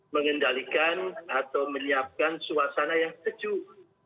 mengendalikan atau menyiapkan suasana yang sejuk